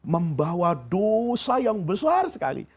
membawa dosa yang besar sekali